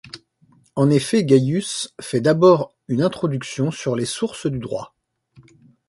En effet Gaïus fait d'abord une introduction sur les sources du droit.